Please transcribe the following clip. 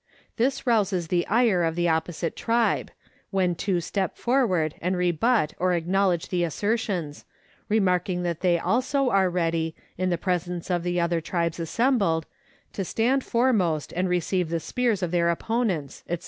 This rouses the ire of the opposite tribe, when two step forward and rebut or acknowledge the assertions, remarking that they also are ready, in the presence of the other tribes assembled, to stand foremost and receive the spears of their opponents, &c.